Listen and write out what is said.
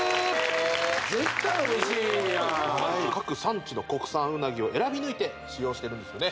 絶対おいしいやん各産地の国産うなぎを選び抜いて使用しているんですよね